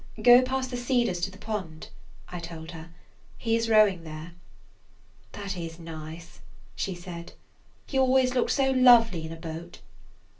"Go past the cedars to the pond," I told her. "He is rowing there." "That is nice," she said. "He always looks so lovely in a boat."